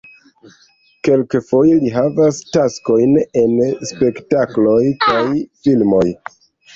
Kelkfoje li havas taskojn en spektakloj kaj filmoj.